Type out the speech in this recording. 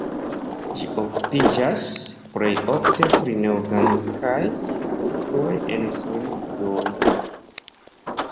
Ĝi okupiĝas plej ofte pri neorganikaj ligoj en solidoj.